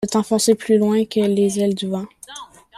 De t’enfoncer plus loin que les ailes du vent ?